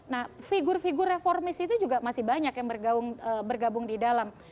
nah figur figur reformis itu juga masih banyak yang bergabung di dalam